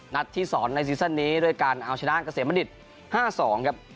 นัดที่๒ในซีซั่นนี้ด้วยการเอาชนะเกษมณฑิต๕๒ครับ